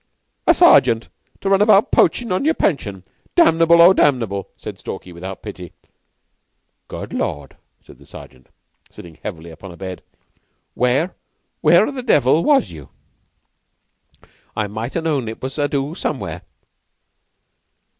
"A sergeant! To run about poachin' on your pension! Damnable, O damnable!" said Stalky, without pity. "Good Lord!" said the Sergeant, sitting heavily upon a bed. "Where where the devil was you? I might ha' known it was a do somewhere."